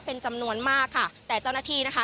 เป็นจำนวนมากค่ะแต่เจ้าหน้าที่นะคะ